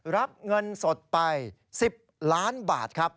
รับเงินสดไป๑๐ล้านบาทครับ